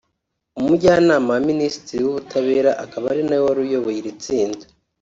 Umujyanama wa Minisitiri w’Ubutabera akaba ari na we wari uyoboye iri tsinda